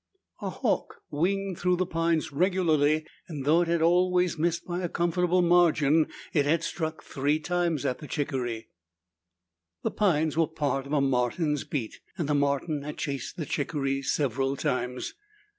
A hawk winged through the pines regularly, and though it had always missed by a comfortable margin, it had struck three times at the chickaree. The pines were part of a marten's beat, and the marten had chased the chickaree several times.